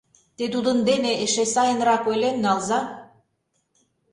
Те тудын дене эше сайынрак ойлен налза.